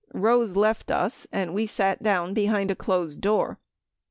Rose left us, and we sat down behind a closed door.